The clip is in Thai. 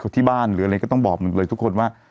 ที่บ้านหรืออะไรก็ต้องบอกหมดเลยทุกคนว่า